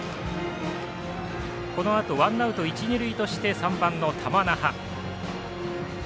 このあとワンアウト一、二塁として３番の玉那覇。